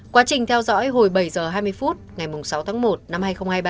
quá trình theo dõi hồi bảy h hai mươi phút ngày sáu tháng một năm hai nghìn hai mươi ba